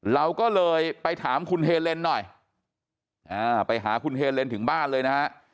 เราก็เลยไปถามคุณเฮเลนหน่อยไปหาคุณเฮเลนถึงบ้านเลยนะฮะ